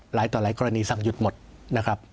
หลายต่อหลายกรณีสั่งหยุดหมดนะครับ